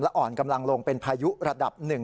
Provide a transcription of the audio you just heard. อ่อนกำลังลงเป็นพายุระดับหนึ่ง